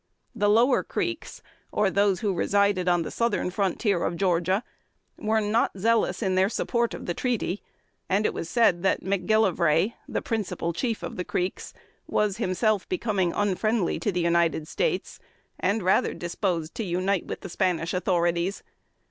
The "lower Creeks," or those who resided on the southern frontier of Georgia, were not zealous in their support of the treaty; and it was said that McGillivray, the principal chief of the Creeks, was himself becoming unfriendly to the United States, and rather disposed to unite with the Spanish authorities.